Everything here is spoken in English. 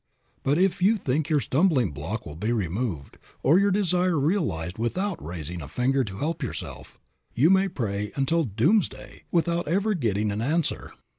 But if you think your stumbling block will be removed, or your desire realized without raising a finger to help yourself, you may pray until doomsday without ever getting an answer.